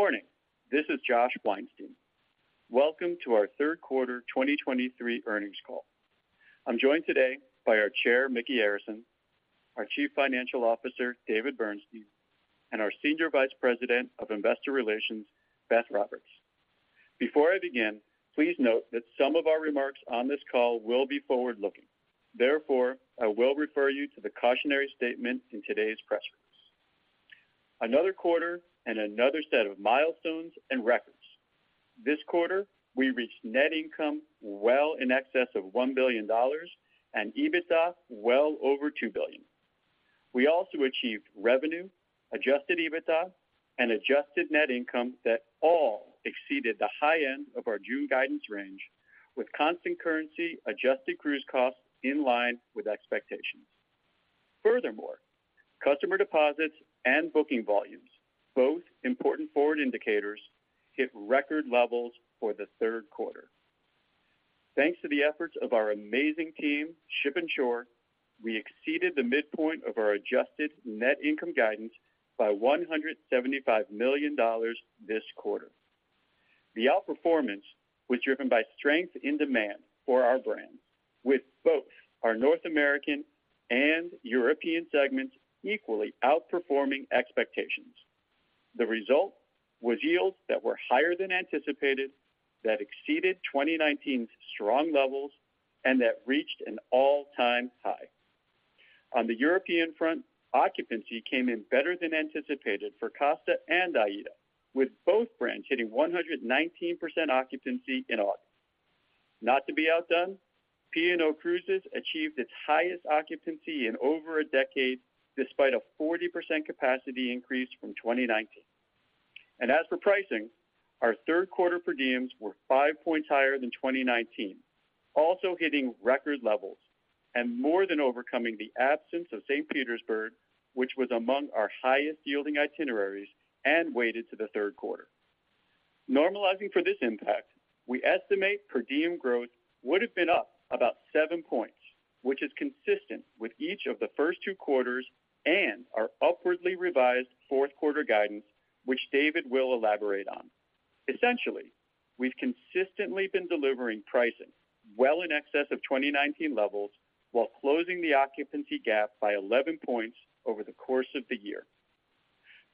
Good morning. This is Josh Weinstein. Welcome o our Third Quarter 2023 earnings call. I'm joined today by our Chair, Micky Arison, our Chief Financial Officer, David Bernstein, and our Senior Vice President of Investor Relations, Beth Roberts. Before I begin, please note that some of our remarks on this call will be forward-looking. Therefore, I will refer you to the cautionary statement in today's press release. Another quarter and another set of milestones and records. This quarter, we reached net income well in excess of $1 billion and EBITDA well over $2 billion. We also achieved revenue, adjusted EBITDA, and adjusted net income that all exceeded the high end of our June guidance range, with constant currency adjusted cruise costs in line with expectations. Furthermore, customer deposits and booking volumes, both important forward indicators, hit record levels for the third quarter. Thanks to the efforts of our amazing team, ship and shore, we exceeded the midpoint of our adjusted net income guidance by $175 million this quarter. The outperformance was driven by strength in demand for our brand, with both our North American and European segments equally outperforming expectations. The result was yields that were higher than anticipated, that exceeded 2019's strong levels, and that reached an all-time high. On the European front, occupancy came in better than anticipated for Costa and AIDA, with both brands hitting 119% occupancy in August. Not to be outdone, P&O Cruises achieved its highest occupancy in over a decade, despite a 40% capacity increase from 2019. And as for pricing, our third quarter per diems were five points higher than 2019, also hitting record levels and more than overcoming the absence of St. Petersburg, which was among our highest-yielding itineraries and weighted to the third quarter. Normalizing for this impact, we estimate per diem growth would have been up about seven points, which is consistent with each of the first two quarters and our upwardly revised fourth quarter guidance, which David will elaborate on. Essentially, we've consistently been delivering pricing well in excess of 2019 levels, while closing the occupancy gap by 11 points over the course of the year.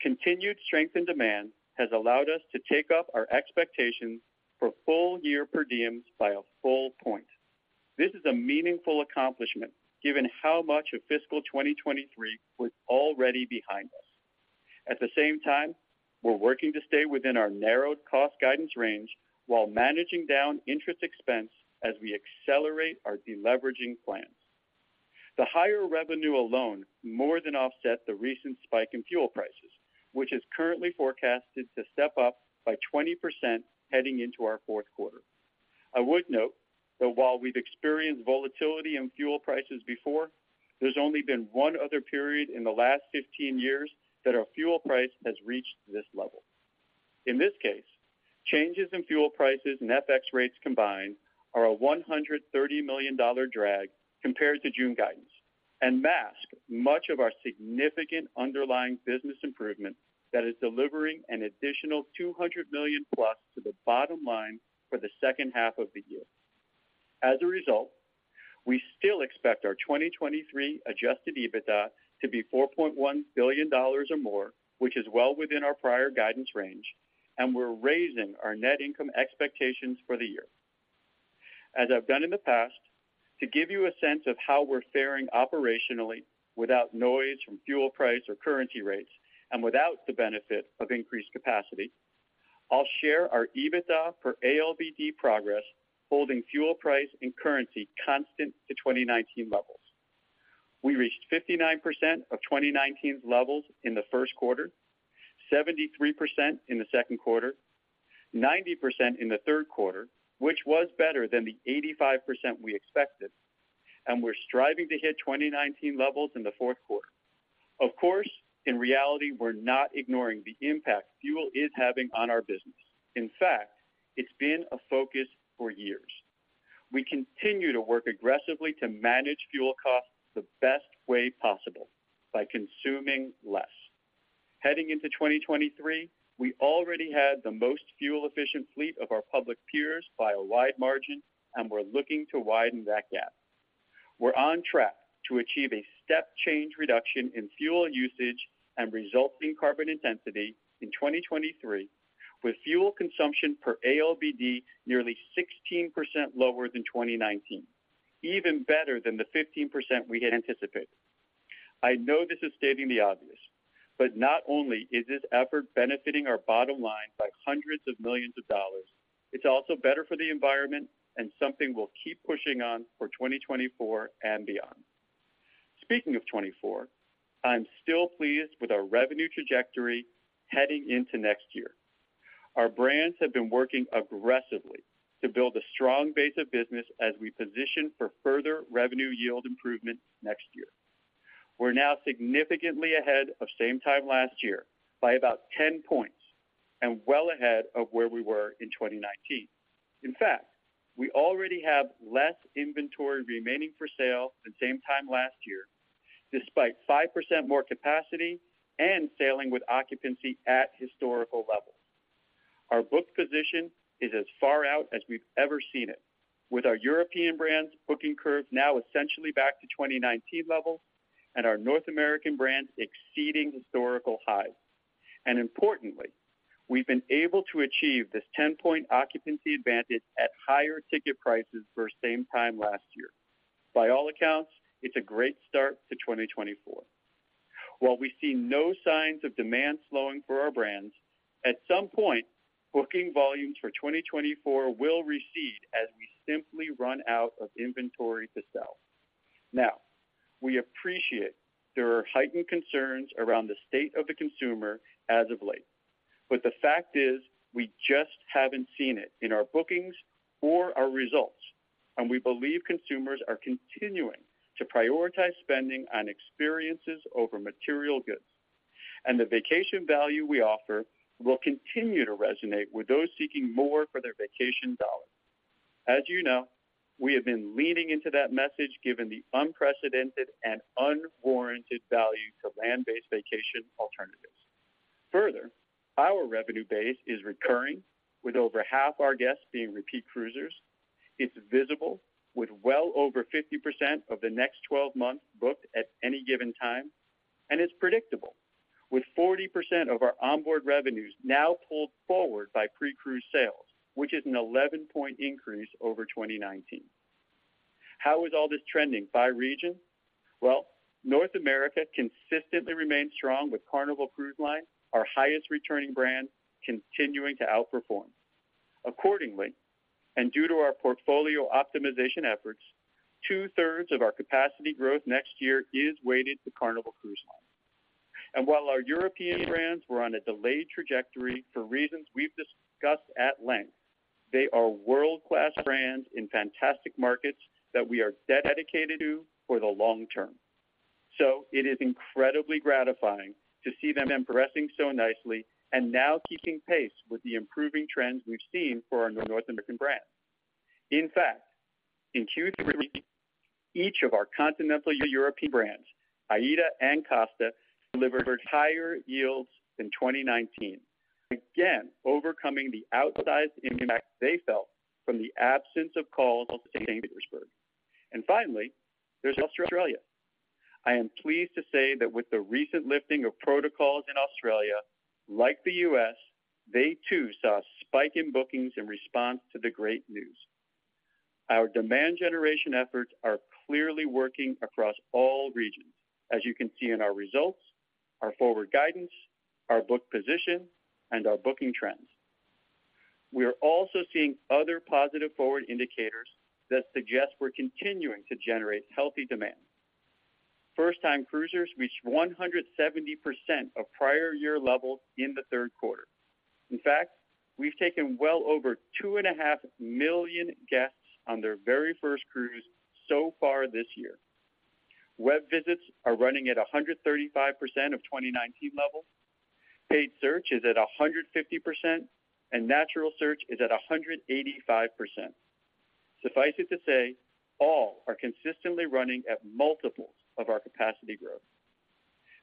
Continued strength in demand has allowed us to take up our expectations for full-year per diems by a full point. This is a meaningful accomplishment, given how much of fiscal 2023 was already behind us. At the same time, we're working to stay within our narrowed cost guidance range while managing down interest expense as we accelerate our deleveraging plans. The higher revenue alone more than offset the recent spike in fuel prices, which is currently forecasted to step up by 20% heading into our fourth quarter. I would note that while we've experienced volatility in fuel prices before, there's only been one other period in the last 15 years that our fuel price has reached this level. In this case, changes in fuel prices and FX rates combined are a $130 million drag compared to June guidance and mask much of our significant underlying business improvement that is delivering an additional $200 million+ to the bottom line for the second half of the year. As a result, we still expect our 2023 Adjusted EBITDA to be $4.1 billion or more, which is well within our prior guidance range, and we're raising our net income expectations for the year. As I've done in the past, to give you a sense of how we're faring operationally without noise from fuel price or currency rates and without the benefit of increased capacity, I'll share our EBITDA per ALBD progress, holding fuel price and currency constant to 2019 levels. We reached 59% of 2019's levels in the first quarter, 73% in the second quarter, 90% in the third quarter, which was better than the 85% we expected, and we're striving to hit 2019 levels in the fourth quarter. Of course, in reality, we're not ignoring the impact fuel is having on our business. In fact, it's been a focus for years. We continue to work aggressively to manage fuel costs the best way possible, by consuming less. Heading into 2023, we already had the most fuel-efficient fleet of our public peers by a wide margin, and we're looking to widen that gap. We're on track to achieve a step change reduction in fuel usage and resulting carbon intensity in 2023, with fuel consumption per ALBD nearly 16% lower than 2019, even better than the 15% we had anticipated. I know this is stating the obvious, but not only is this effort benefiting our bottom line by hundreds of millions, it's also better for the environment and something we'll keep pushing on for 2024 and beyond. Speaking of 2024, I'm still pleased with our revenue trajectory heading into next year. Our brands have been working aggressively to build a strong base of business as we position for further revenue yield improvement next year. We're now significantly ahead of same time last year by about 10 points and well ahead of where we were in 2019. In fact, we already have less inventory remaining for sale than same time last year, despite 5% more capacity and sailing with occupancy at historical levels. Our booked position is as far out as we've ever seen it, with our European brands booking curve now essentially back to 2019 levels and our North American brands exceeding historical highs. Importantly, we've been able to achieve this 10-point occupancy advantage at higher ticket prices versus same time last year. By all accounts, it's a great start to 2024. While we see no signs of demand slowing for our brands, at some point, booking volumes for 2024 will recede as we simply run out of inventory to sell. Now, we appreciate there are heightened concerns around the state of the consumer as of late, but the fact is, we just haven't seen it in our bookings or our results, and we believe consumers are continuing to prioritize spending on experiences over material goods. The vacation value we offer will continue to resonate with those seeking more for their vacation dollar. As you know, we have been leaning into that message, given the unprecedented and unwarranted value to land-based vacation alternatives. Further, our revenue base is recurring, with over half our guests being repeat cruisers. It's visible with well over 50% of the next 12 months booked at any given time, and it's predictable, with 40% of our onboard revenues now pulled forward by pre-cruise sales, which is an 11-point increase over 2019. How is all this trending by region? Well, North America consistently remains strong with Carnival Cruise Line, our highest returning brand, continuing to outperform. Accordingly, and due to our portfolio optimization efforts, two-thirds of our capacity growth next year is weighted to Carnival Cruise Line. And while our European brands were on a delayed trajectory for reasons we've discussed at length, they are world-class brands in fantastic markets that we are dedicated to for the long term. So it is incredibly gratifying to see them progressing so nicely and now keeping pace with the improving trends we've seen for our North American brands. In fact, in Q3, each of our continental European brands, AIDA and Costa, delivered higher yields than 2019. Again, overcoming the outsized impact they felt from the absence of calls to St. Petersburg. And finally, there's Australia. I am pleased to say that with the recent lifting of protocols in Australia, like the U.S., they too, saw a spike in bookings in response to the great news. Our demand generation efforts are clearly working across all regions, as you can see in our results, our forward guidance, our booking position, and our booking trends. We are also seeing other positive forward indicators that suggest we're continuing to generate healthy demand. First-time cruisers reached 170% of prior year levels in the third quarter. In fact, we've taken well over 2.5 million guests on their very first cruise so far this year. Web visits are running at 135% of 2019 levels, paid search is at 150%, and natural search is at 185%. Suffice it to say, all are consistently running at multiples of our capacity growth.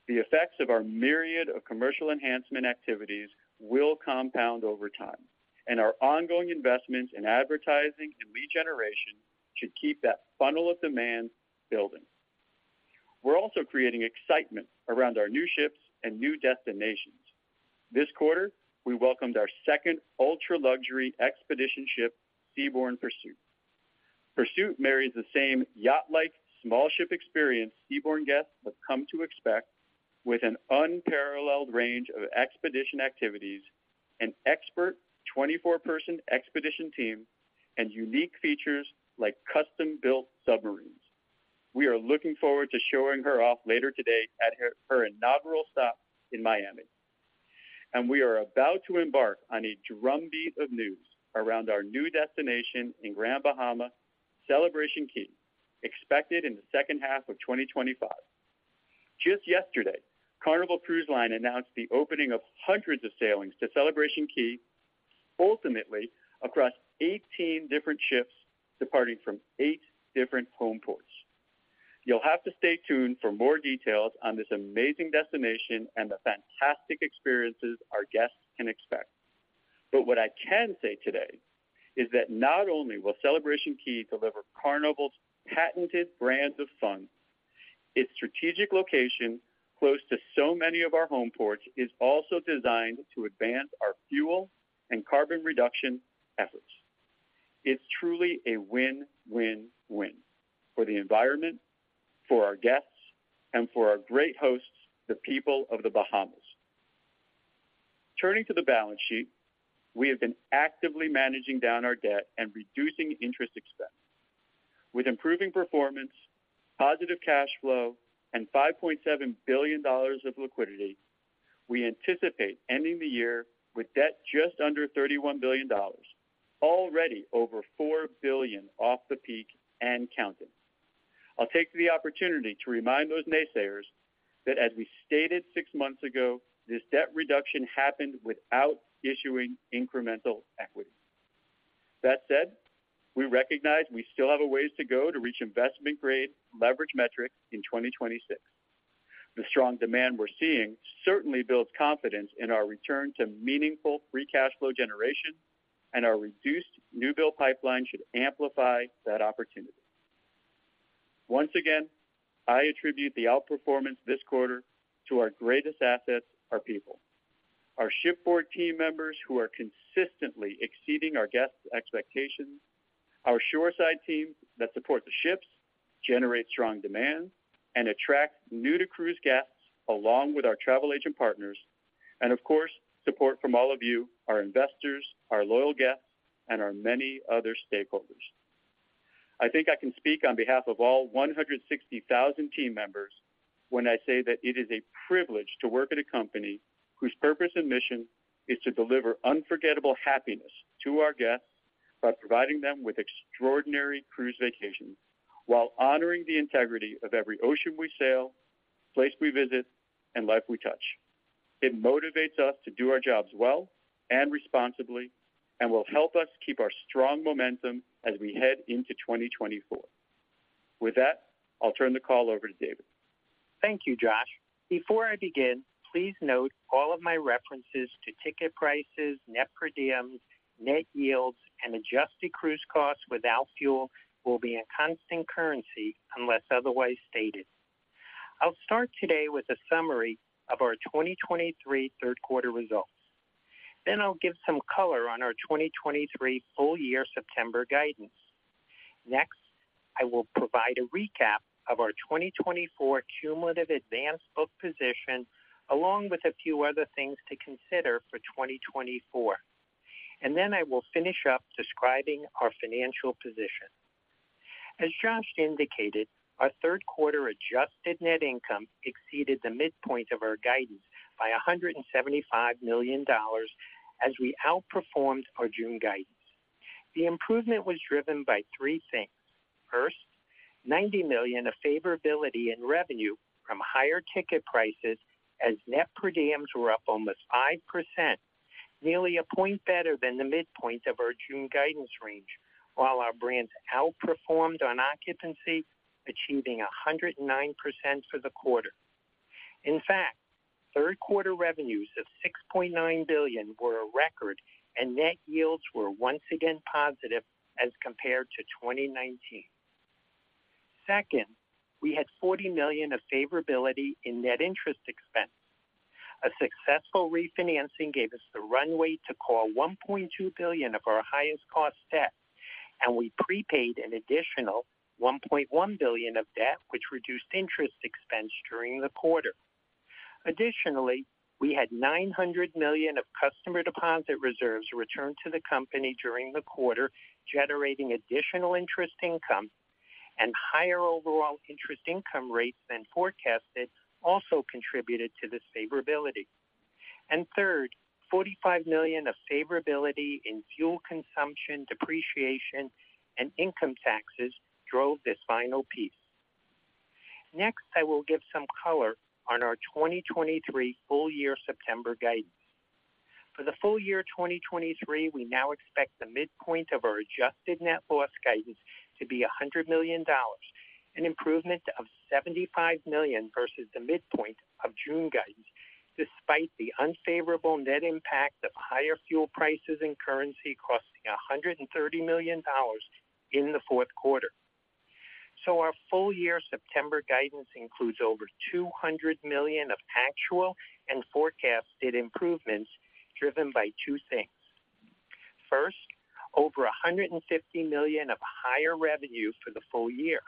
The effects of our myriad of commercial enhancement activities will compound over time, and our ongoing investments in advertising and lead generation should keep that funnel of demand building. We're also creating excitement around our new ships and new destinations. This quarter, we welcomed our second ultra-luxury expedition ship, Seabourn Pursuit. Pursuit marries the same yacht-like, small ship experience Seabourn guests have come to expect with an unparalleled range of expedition activities, an expert 24-person expedition team, and unique features like custom-built submarines. We are looking forward to showing her off later today at her inaugural stop in Miami. And we are about to embark on a drumbeat of news around our new destination in Grand Bahama, Celebration Key, expected in the second half of 2025. Just yesterday, Carnival Cruise Line announced the opening of hundreds of sailings to Celebration Key, ultimately across 18 different ships, departing from 8 different home ports. You'll have to stay tuned for more details on this amazing destination and the fantastic experiences our guests can expect. But what I can say today is that not only will Celebration Key deliver Carnival's patented brands of fun, its strategic location, close to so many of our home ports, is also designed to advance our fuel and carbon reduction efforts. It's truly a win-win-win for the environment, for our guests, and for our great hosts, the people of the Bahamas. Turning to the balance sheet, we have been actively managing down our debt and reducing interest expense. With improving performance, positive cash flow, and $5.7 billion of liquidity, we anticipate ending the year with debt just under $31 billion, already over $4 billion off the peak and counting. I'll take the opportunity to remind those naysayers that, as we stated six months ago, this debt reduction happened without issuing incremental equity. That said, we recognize we still have a ways to go to reach Investment Grade leverage metrics in 2026. The strong demand we're seeing certainly builds confidence in our return to meaningful free cash flow generation, and our reduced new build pipeline should amplify that opportunity. Once again, I attribute the outperformance this quarter to our greatest assets, our people. Our shipboard team members, who are consistently exceeding our guests' expectations, our shoreside teams that support the ships, generate strong demand, and attract new-to-cruise guests, along with our travel agent partners, and of course, support from all of you, our investors, our loyal guests, and our many other stakeholders. I think I can speak on behalf of all 160,000 team members when I say that it is a privilege to work at a company whose purpose and mission is to deliver unforgettable happiness to our guests by providing them with extraordinary cruise vacations while honoring the integrity of every ocean we sail, place we visit, and life we touch. It motivates us to do our jobs well and responsibly and will help us keep our strong momentum as we head into 2024. With that, I'll turn the call over to David. Thank you, Josh. Before I begin, please note all of my references to Ticket Prices, Net Per Diems, Net Yields, and Adjusted Cruise Costs without fuel will be in constant currency unless otherwise stated. I'll start today with a summary of our 2023 third quarter results. Then I'll give some color on our 2023 full year September guidance. Next, I will provide a recap of our 2024 cumulative advanced book position, along with a few other things to consider for 2024. And then I will finish up describing our financial position. As Josh indicated, our third quarter Adjusted Net Income exceeded the midpoint of our guidance by $175 million as we outperformed our June guidance. The improvement was driven by three things. First, $90 million of favorability in revenue from higher ticket prices as Net Per Diems were up almost 5%, nearly a point better than the midpoint of our June guidance range, while our brands outperformed on occupancy, achieving 109% for the quarter. In fact, third quarter revenues of $6.9 billion were a record, and Net yields were once again positive as compared to 2019. Second, we had $40 million of favorability in net interest expense. A successful refinancing gave us the runway to call $1.2 billion of our highest cost debt, and we prepaid an additional $1.1 billion of debt, which reduced interest expense during the quarter. Additionally, we had $900 million of customer deposit reserves returned to the company during the quarter, generating additional interest income and higher overall interest income rates than forecasted, also contributed to this favorability. And third, $45 million of favorability in fuel consumption, depreciation, and income taxes drove this final piece. Next, I will give some color on our 2023 full year September guidance. For the full year 2023, we now expect the midpoint of our adjusted net loss guidance to be $100 million, an improvement of $75 million versus the midpoint of June guidance, despite the unfavorable net impact of higher fuel prices and currency costing $130 million in the fourth quarter. So our full-year September guidance includes over $200 million of actual and forecasted improvements, driven by two things. First, over $150 million of higher revenue for the full year.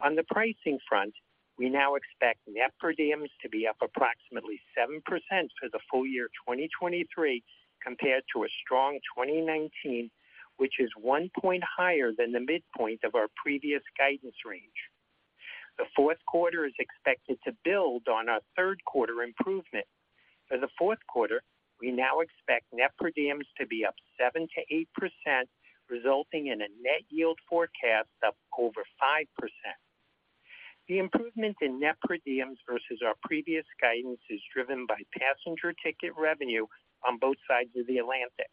On the pricing front, we now expect Net Per Diems to be up approximately 7% for the full year 2023 compared to a strong 2019, which is one point higher than the midpoint of our previous guidance range. The fourth quarter is expected to build on our third quarter improvement. For the fourth quarter, we now expect Net Per Diems to be up 7%-8%, resulting in a Net Yields forecast of over 5%. The improvement in Net Per Diems versus our previous guidance is driven by passenger ticket revenue on both sides of the Atlantic.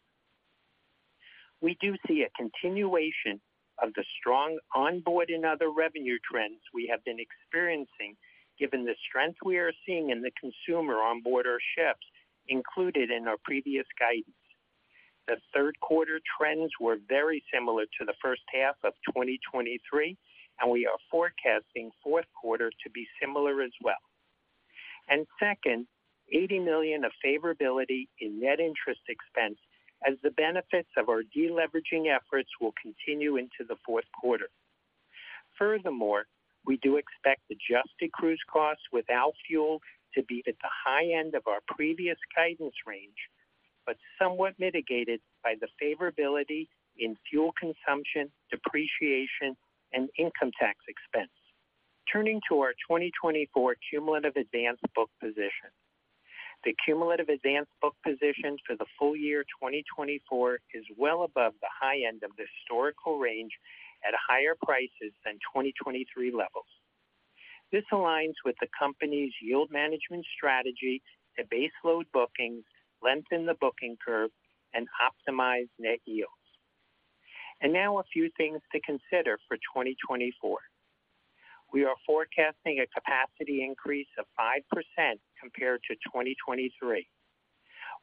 We do see a continuation of the strong onboard and other revenue trends we have been experiencing, given the strength we are seeing in the consumer on board our ships included in our previous guidance. The third quarter trends were very similar to the first half of 2023, and we are forecasting fourth quarter to be similar as well. And second, $80 million of favorability in net interest expense as the benefits of our deleveraging efforts will continue into the fourth quarter. Furthermore, we do expect adjusted cruise costs without fuel to be at the high end of our previous guidance range, but somewhat mitigated by the favorability in fuel consumption, depreciation, and income tax expense. Turning to our 2024 cumulative advanced book position. The cumulative advanced book position for the full year 2024 is well above the high end of the historical range at higher prices than 2023 levels. This aligns with the company's yield management strategy to base load bookings, lengthen the booking curve, and optimize Net yields. Now a few things to consider for 2024. We are forecasting a capacity increase of 5% compared to 2023.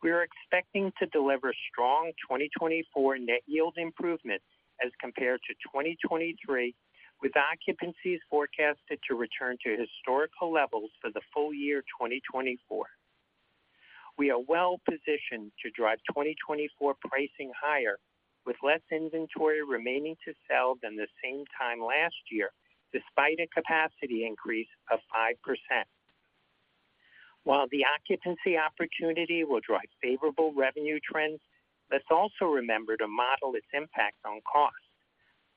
We are expecting to deliver strong 2024 net yield improvements as compared to 2023, with occupancies forecasted to return to historical levels for the full year, 2024. We are well-positioned to drive 2024 pricing higher, with less inventory remaining to sell than the same time last year, despite a capacity increase of 5%. While the occupancy opportunity will drive favorable revenue trends, let's also remember to model its impact on costs.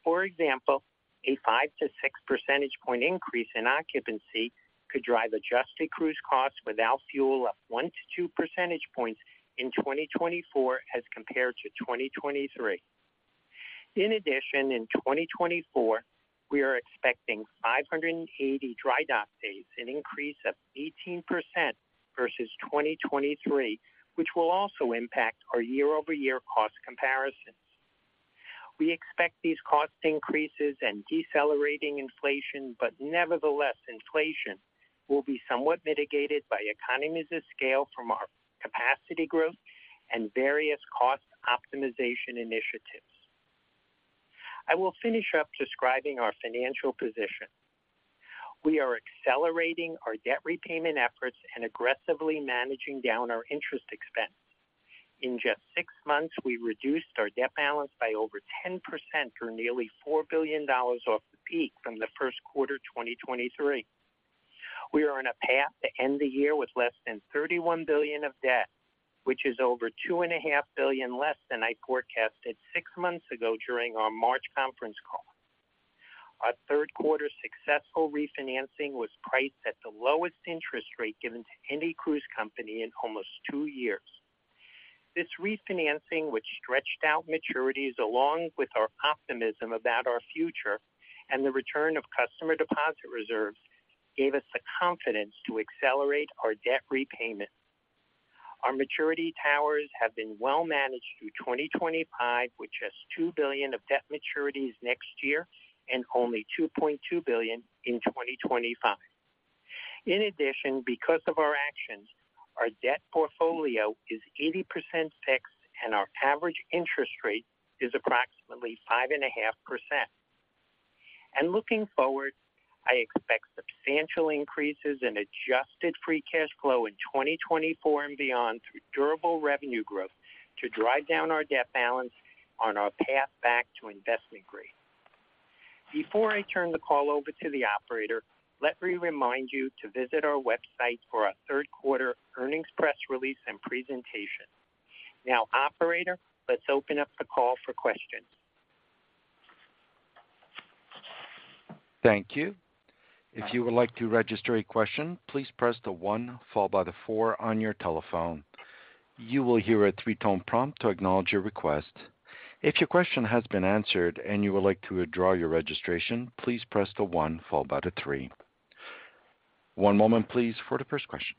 For example, a five to six percentage point increase in occupancy could drive adjusted cruise costs without fuel of one to two percentage points in 2024 as compared to 2023. In addition, in 2024, we are expecting 580 dry dock days, an increase of 18% versus 2023, which will also impact our year-over-year cost comparisons. We expect these cost increases and decelerating inflation, but nevertheless, inflation will be somewhat mitigated by economies of scale from our capacity growth and various cost optimization initiatives. I will finish up describing our financial position. We are accelerating our debt repayment efforts and aggressively managing down our interest expense. In just six months, we reduced our debt balance by over 10%, or nearly $4 billion off the peak from the first quarter, 2023. We are on a path to end the year with less than $31 billion of debt, which is over $2.5 billion less than I forecasted six months ago during our March conference call. Our third quarter successful refinancing was priced at the lowest interest rate given to any cruise company in almost two years. This refinancing, which stretched out maturities along with our optimism about our future and the return of customer deposit reserves, gave us the confidence to accelerate our debt repayment. Our maturity towers have been well managed through 2025, with just $2 billion of debt maturities next year and only $2.2 billion in 2025. In addition, because of our actions, our debt portfolio is 80% fixed, and our average interest rate is approximately 5.5%. Looking forward, I expect substantial increases in adjusted free cash flow in 2024 and beyond through durable revenue growth to drive down our debt balance on our path back to Investment Grade. Before I turn the call over to the operator, let me remind you to visit our website for our third quarter earnings press release and presentation. Now, operator, let's open up the call for questions. Thank you. If you would like to register a question, please press the one followed by the four on your telephone. You will hear a three-tone prompt to acknowledge your request. If your question has been answered and you would like to withdraw your registration, please press the one followed by the three. One moment, please, for the first question.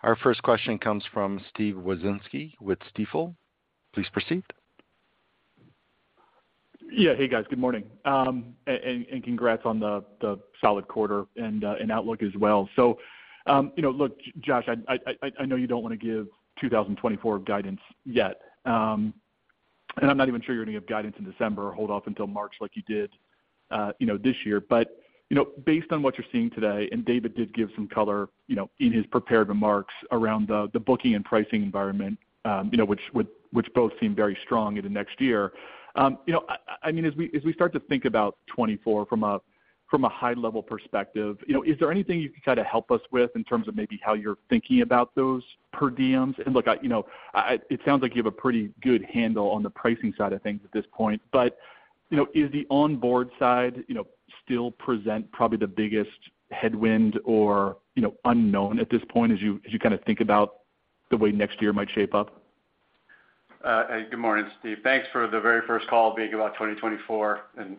Our first question comes from Steve Wieczynski with Stifel. Please proceed. Yeah. Hey, guys, good morning, and congrats on the solid quarter and outlook as well. So, you know, look, Josh, I know you don't want to give 2024 guidance yet, and I'm not even sure you're going to give guidance in December or hold off until March like you did, you know, this year. But, you know, based on what you're seeing today, and David did give some color, you know, in his prepared remarks around the booking and pricing environment, you know, which both seem very strong in the next year. You know, I mean, as we start to think about 2024 from a high-level perspective, you know, is there anything you can kind of help us with in terms of maybe how you're thinking about those per diems? And look, I, you know, it sounds like you have a pretty good handle on the pricing side of things at this point, but, you know, is the onboard side, you know, still present probably the biggest headwind or, you know, unknown at this point, as you kind of think about the way next year might shape up? Good morning, Steve. Thanks for the very first call being about 2024, and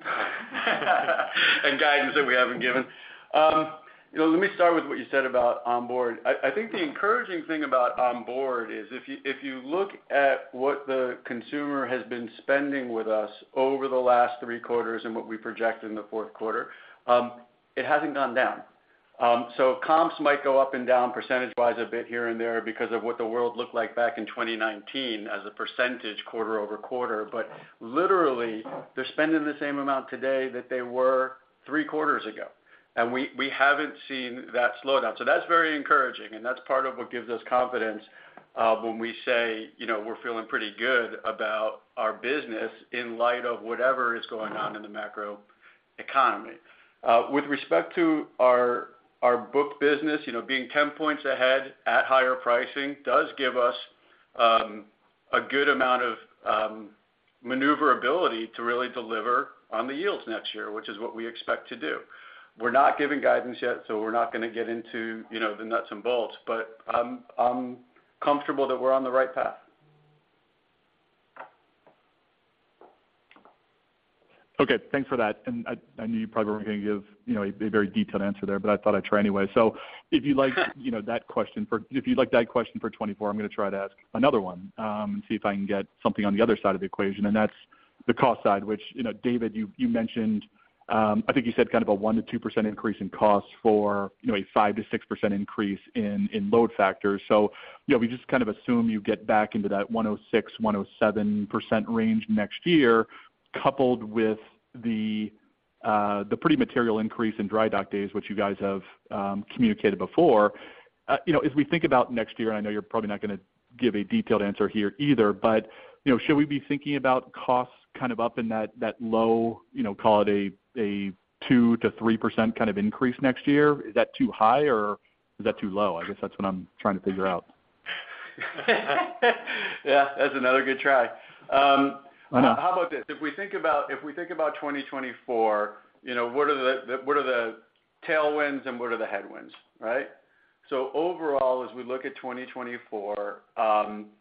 guidance that we haven't given. You know, let me start with what you said about onboard. I think the encouraging thing about onboard is if you look at what the consumer has been spending with us over the last three quarters and what we project in the fourth quarter, it hasn't gone down. So comps might go up and down percentage-wise, a bit here and there because of what the world looked like back in 2019 as a percentage quarter-over-quarter. But literally, they're spending the same amount today that they were three quarters ago, and we haven't seen that slow down. So that's very encouraging, and that's part of what gives us confidence when we say, you know, we're feeling pretty good about our business in light of whatever is going on in the macro economy. With respect to our book business, you know, being 10 points ahead at higher pricing does give us a good amount of maneuverability to really deliver on the yields next year, which is what we expect to do. We're not giving guidance yet, so we're not going to get into, you know, the nuts and bolts, but I'm comfortable that we're on the right path. Okay, thanks for that. And I knew you probably weren't gonna give, you know, a very detailed answer there, but I thought I'd try anyway. So if you'd like that question for 2024, I'm gonna try to ask another one, and see if I can get something on the other side of the equation, and that's the cost side, which, you know, David, you mentioned, I think you said kind of a 1%-2% increase in costs for, you know, a 5%-6% increase in load factors. So, you know, we just kind of assume you get back into that 106%, 107% range next year, coupled with the pretty material increase in dry dock days, which you guys have communicated before. You know, as we think about next year, I know you're probably not gonna give a detailed answer here either, but, you know, should we be thinking about costs kind of up in that low, you know, call it a 2%-3% kind of increase next year? Is that too high, or is that too low? I guess that's what I'm trying to figure out. Yeah, that's another good try. How about this? If we think about 2024, you know, what are the tailwinds and what are the headwinds, right? So overall, as we look at 2024,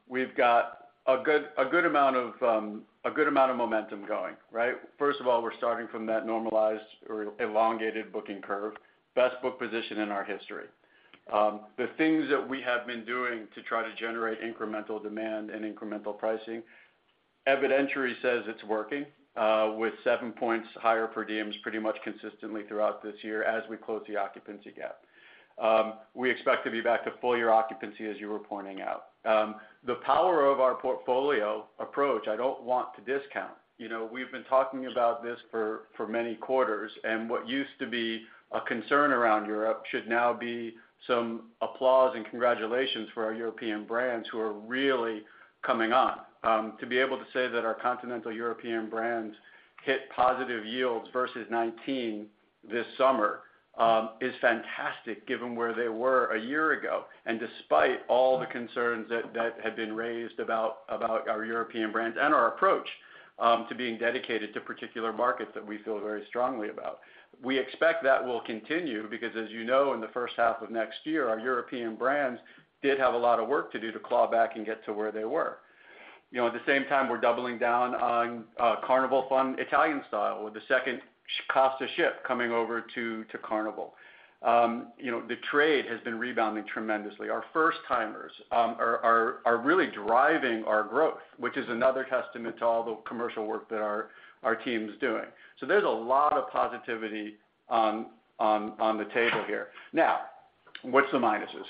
we've got a good amount of momentum going, right? First of all, we're starting from that normalized or elongated booking curve. Best book position in our history. The things that we have been doing to try to generate incremental demand and incremental pricing, evidence says it's working, with seven points higher per diems pretty much consistently throughout this year as we close the occupancy gap. We expect to be back to full-year occupancy, as you were pointing out. The power of our portfolio approach, I don't want to discount. You know, we've been talking about this for, for many quarters, and what used to be a concern around Europe should now be some applause and congratulations for our European brands, who are really coming on. To be able to say that our continental European brands hit positive yields versus 2019 this summer is fantastic, given where they were a year ago. Despite all the concerns that, that had been raised about, about our European brands and our approach to being dedicated to particular markets that we feel very strongly about. We expect that will continue because, as you know, in the first half of next year, our European brands did have a lot of work to do to claw back and get to where they were. You know, at the same time, we're doubling down on Carnival Fun Italian Style, with the second Costa ship coming over to Carnival. You know, the trade has been rebounding tremendously. Our first-timers are really driving our growth, which is another testament to all the commercial work that our team is doing. So there's a lot of positivity on the table here. Now, what's the minuses?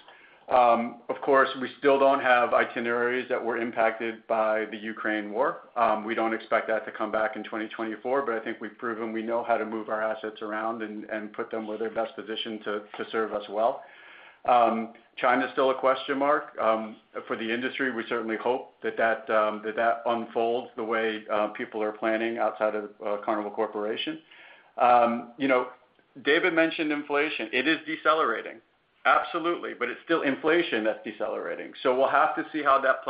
Of course, we still don't have itineraries that were impacted by the Ukraine war. We don't expect that to come back in 2024, but I think we've proven we know how to move our assets around and put them where they're best positioned to serve us well. China is still a question mark for the industry. We certainly hope that that unfolds the way people are planning outside of Carnival Corporation. You know, David mentioned inflation. It is decelerating, absolutely, but it's still inflation that's decelerating, so we'll have to see how that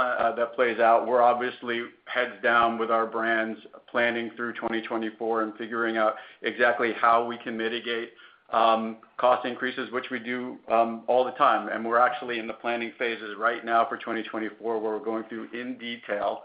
plays out. We're obviously heads down with our brands, planning through 2024 and figuring out exactly how we can mitigate cost increases, which we do all the time. And we're actually in the planning phases right now for 2024, where we're going through, in detail,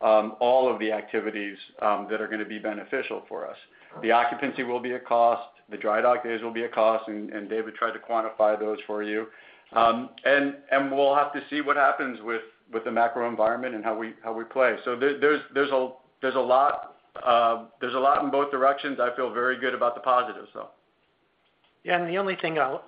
all of the activities that are gonna be beneficial for us. The occupancy will be a cost, the dry dock days will be a cost, and David tried to quantify those for you. And we'll have to see what happens with the macro environment and how we play. So there's a lot in both directions. I feel very good about the positives, though. Yeah, and the only thing I'll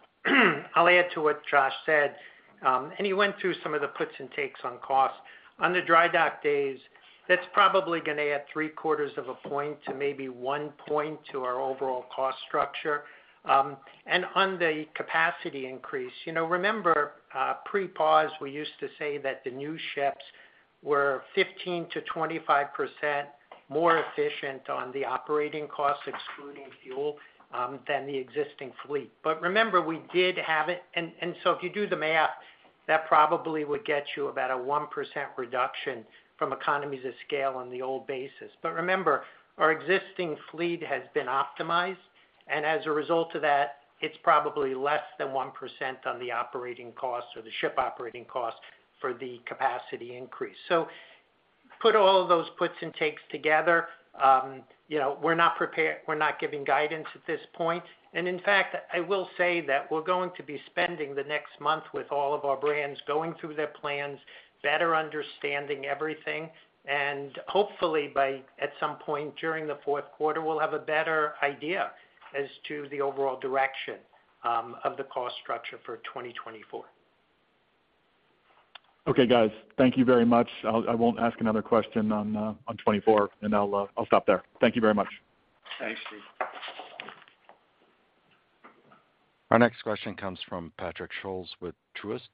add to what Josh said, and he went through some of the puts and takes on costs. On the dry dock days, that's probably gonna add 0.75 point to maybe one point to our overall cost structure. And on the capacity increase, you know, remember, pre-pause, we used to say that the new ships were 15%-25% more efficient on the operating costs, excluding fuel, than the existing fleet. But remember, and so if you do the math, that probably would get you about a 1% reduction from economies of scale on the old basis. But remember, our existing fleet has been optimized, and as a result of that, it's probably less than 1% on the operating costs or the ship operating costs for the capacity increase. So put all of those puts and takes together, you know, we're not giving guidance at this point. And in fact, I will say that we're going to be spending the next month with all of our brands, going through their plans, better understanding everything, and hopefully by, at some point during the fourth quarter, we'll have a better idea as to the overall direction of the cost structure for 2024. Okay, guys. Thank you very much. I won't ask another question on 2024, and I'll stop there. Thank you very much. Thanks, Steve. Our next question comes from Patrick Scholes with Truist.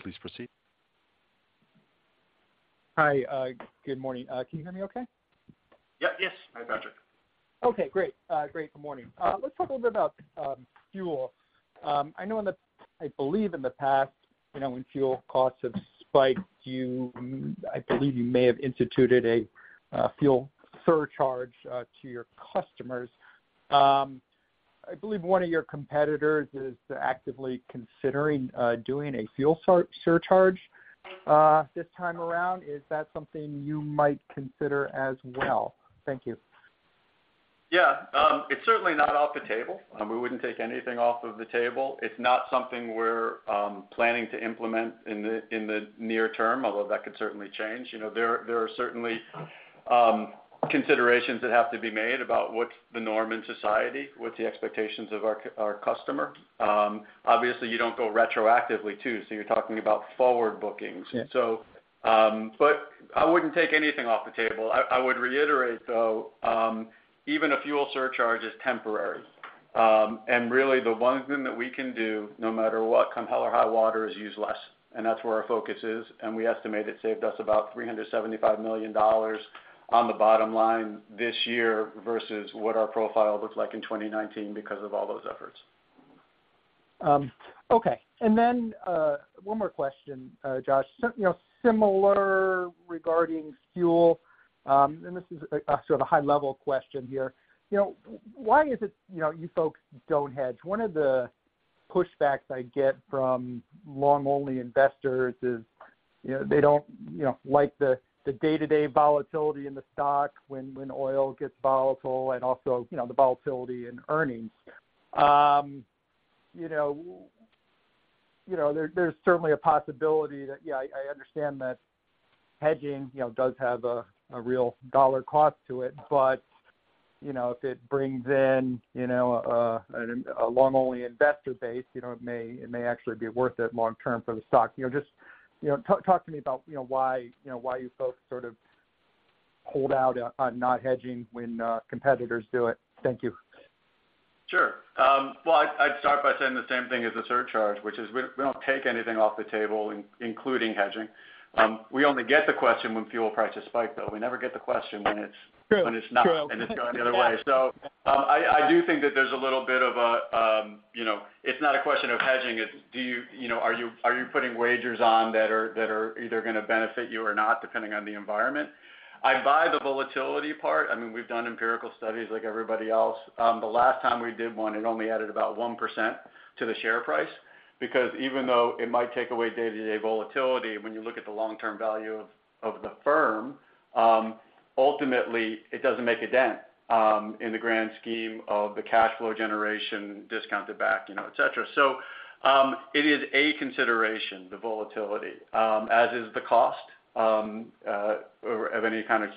Please proceed. Hi, good morning. Can you hear me okay? Yep. Yes. Hi, Patrick. Okay, great. Great, good morning. Let's talk a little bit about fuel. I know in the past, you know, when fuel costs have spiked, you, I believe you may have instituted a fuel surcharge to your customers. I believe one of your competitors is actively considering doing a fuel surcharge this time around. Is that something you might consider as well? Thank you. Yeah, it's certainly not off the table. We wouldn't take anything off of the table. It's not something we're planning to implement in the near term, although that could certainly change. You know, there are certainly considerations that have to be made about what's the norm in society, what's the expectations of our customer. Obviously, you don't go retroactively, too, so you're talking about forward bookings. Yeah. But I wouldn't take anything off the table. I would reiterate, though, even a fuel surcharge is temporary. And really, the one thing that we can do, no matter what, come hell or high water, is use less, and that's where our focus is, and we estimate it saved us about $375 million on the bottom line this year versus what our profile looked like in 2019 because of all those efforts. Okay. And then, one more question, Josh. You know, similar regarding fuel, and this is sort of a high-level question here. You know, why is it, you know, you folks don't hedge? One of the pushbacks I get from long-only investors is, you know, they don't, you know, like the day-to-day volatility in the stock when oil gets volatile and also, you know, the volatility in earnings. You know, there's certainly a possibility that... Yeah, I understand that hedging, you know, does have a real dollar cost to it. But, you know, if it brings in, you know, a long-only investor base, you know, it may actually be worth it long term for the stock. You know, just, you know, talk to me about, you know, why, you know, why you folks sort of hold out on not hedging when competitors do it. Thank you. Sure. Well, I'd start by saying the same thing as the surcharge, which is we don't take anything off the table, including hedging. We only get the question when fuel prices spike, though. We never get the question when it's- True, true - when it's not, and it's going the other way. So, I do think that there's a little bit of a, you know, it's not a question of hedging, it's do you, you know, are you, are you putting wagers on that are, that are either gonna benefit you or not, depending on the environment? I buy the volatility part. I mean, we've done empirical studies like everybody else. The last time we did one, it only added about 1% to the share price. Because even though it might take away day-to-day volatility, when you look at the long-term value of the firm, ultimately, it doesn't make a dent in the grand scheme of the cash flow generation, discounted back, you know, et cetera. So, it is a consideration, the volatility, as is the cost of any kind of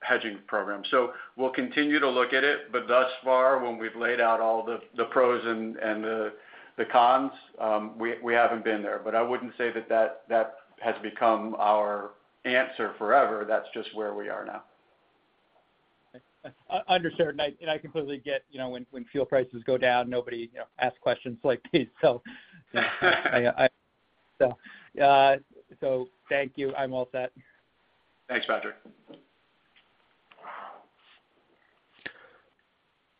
hedging program. So we'll continue to look at it, but thus far, when we've laid out all the pros and the cons, we haven't been there. But I wouldn't say that has become our answer forever. That's just where we are now. Understood, and I completely get, you know, when fuel prices go down, nobody, you know, asks questions like these. So, thank you. I'm all set. Thanks, Patrick.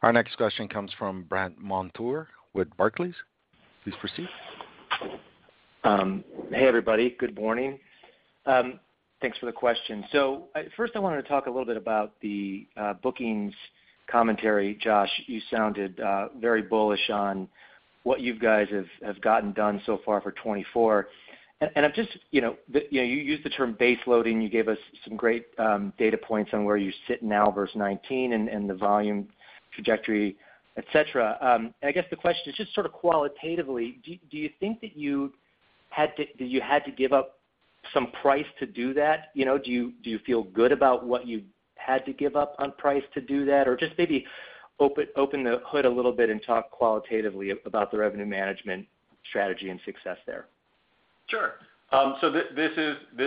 Our next question comes from Brandt Montour with Barclays. Please proceed. Hey, everybody. Good morning. Thanks for the question. So, first I wanted to talk a little bit about the bookings commentary. Josh, you sounded very bullish on what you guys have gotten done so far for 2024. And I've just, you know you used the term base loading. You gave us some great data points on where you sit now versus 2019 and the volume trajectory, et cetera. And I guess the question is, just sort of qualitatively, do you think that you had to give up some price to do that? You know, do you feel good about what you had to give up on price to do that? Or just maybe open the hood a little bit and talk qualitatively about the revenue management strategy and success there. Sure. So this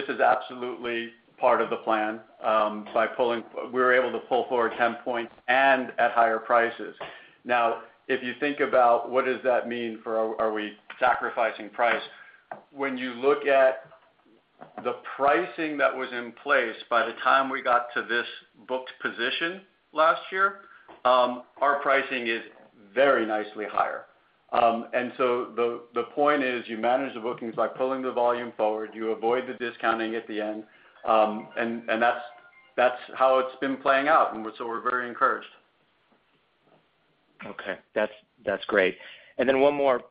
is absolutely part of the plan. By pulling were able to pull forward 10 points and at higher prices. Now, if you think about what does that mean for, are we sacrificing price? When you look at the pricing that was in place by the time we got to this booked position last year, our pricing is very nicely higher. And so the point is, you manage the bookings by pulling the volume forward, you avoid the discounting at the end, and that's how it's been playing out, and we're so we're very encouraged. Okay. That's great. And then one more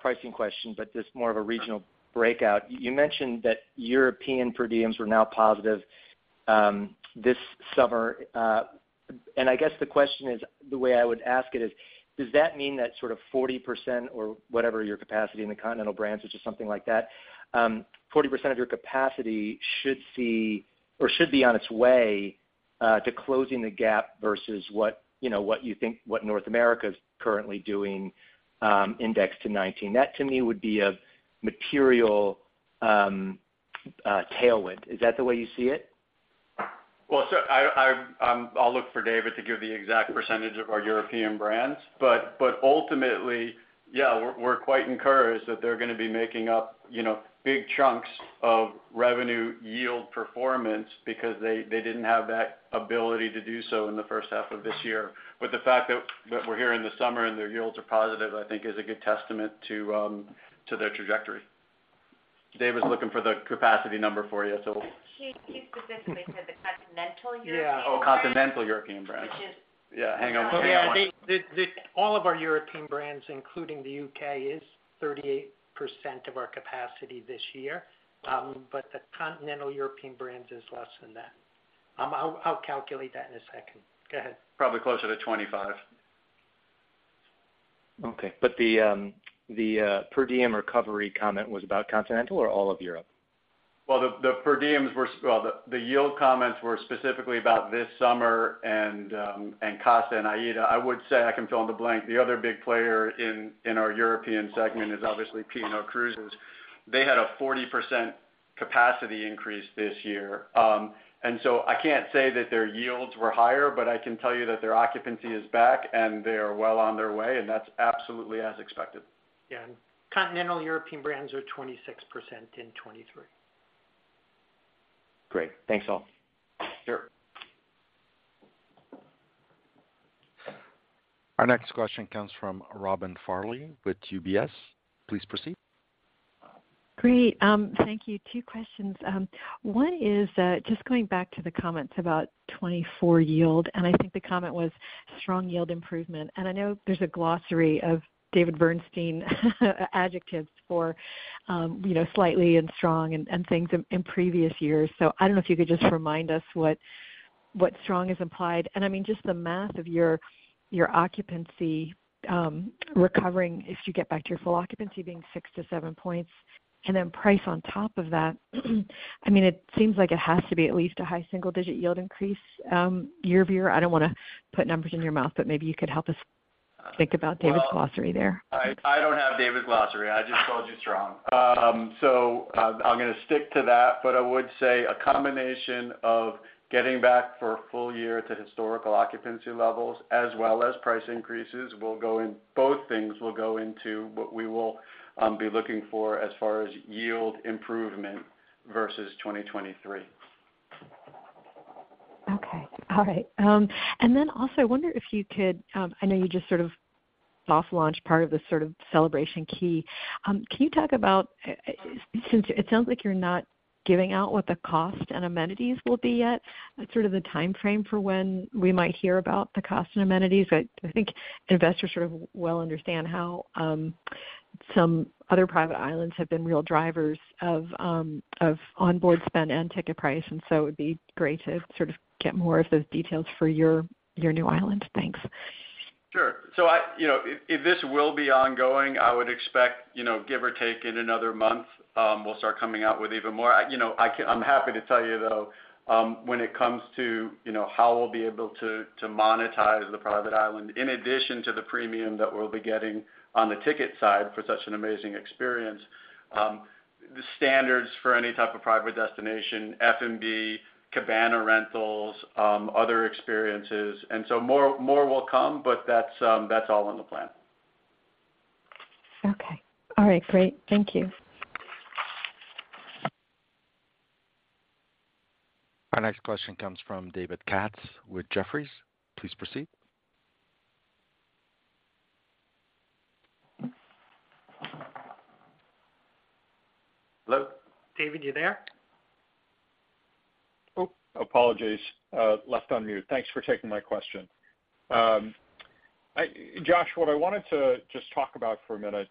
pricing question, but just more of a regional breakout. You mentioned that European per diems were now positive this summer. And I guess the question is, the way I would ask it is, does that mean that sort of 40% or whatever your capacity in the continental brands, which is something like that, 40% of your capacity should see or should be on its way to closing the gap versus what, you know, what you think, what North America is currently doing, indexed to 2019? That, to me, would be a material tailwind. Is that the way you see it? Well, so I'll look for David to give the exact percentage of our European brands, but ultimately, yeah, we're quite encouraged that they're gonna be making up, you know, big chunks of revenue yield performance because they didn't have that ability to do so in the first half of this year. But the fact that we're here in the summer and their yields are positive, I think is a good testament to their trajectory. Dave was looking for the capacity number for you, so- He specifically said the continental European brand. Yeah. Oh, continental European brand. Which is- Yeah, hang on one second. Yeah, all of our European brands, including the UK, is 38% of our capacity this year. But the continental European brands is less than that. I'll calculate that in a second. Go ahead. Probably closer to 25. Okay. But the per diem recovery comment was about Continental or all of Europe? Well, the per diems were. Well, the yield comments were specifically about this summer and Costa and AIDA. I would say I can fill in the blank. The other big player in our European segment is obviously P&O Cruises. They had a 40% capacity increase this year. And so I can't say that their yields were higher, but I can tell you that their occupancy is back, and they are well on their way, and that's absolutely as expected. Yeah, and continental European brands are 26% in 2023. Great. Thanks, all. Sure. Our next question comes from Robin Farley with UBS. Please proceed. Great. Thank you. Two questions. One is, just going back to the comments about 2024 yield, and I think the comment was strong yield improvement. And I know there's a glossary of David Bernstein adjectives for, you know, slightly and strong and things in previous years. So I don't know if you could just remind us what strong is implied. And I mean, just the math of your occupancy recovering if you get back to your full occupancy being six to seven points, and then price on top of that. I mean, it seems like it has to be at least a high single-digit yield increase, year-over-year. I don't want to put numbers in your mouth, but maybe you could help us think about David's glossary there. Well, I don't have David's glossary. I just told you strong. So, I'm going to stick to that. But I would say a combination of getting back for a full year to historical occupancy levels as well as price increases will go in. Both things will go into what we will be looking for as far as yield improvement versus 2023. Okay. All right. And then also, I wonder if you could, I know you just sort of soft launched part of this sort of Celebration Key. Can you talk about, since it sounds like you're not giving out what the cost and amenities will be yet, sort of the timeframe for when we might hear about the cost and amenities? I think investors sort of well understand how, some other private islands have been real drivers of, of onboard spend and ticket price, and so it would be great to sort of get more of those details for your, your new island. Thanks. Sure. So you know, if this will be ongoing, I would expect, you know, give or take in another month, we'll start coming out with even more. I, you know, I'm happy to tell you, though, when it comes to, you know, how we'll be able to to monetize the private island, in addition to the premium that we'll be getting on the ticket side for such an amazing experience, the standards for any type of private destination, F&B, Cabana Rentals, other experiences, and so more. More will come, but that's, that's all on the plan. Okay. All right, great. Thank you. Our next question comes from David Katz with Jefferies. Please proceed. Hello? David, you there? Oh, apologies, left on mute. Thanks for taking my question. Josh, what I wanted to just talk about for a minute,